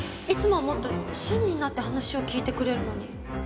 いつもはもっと親身になって話を聞いてくれるのに。